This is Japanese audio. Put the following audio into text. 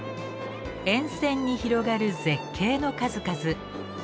沿線に広がる絶景の数々。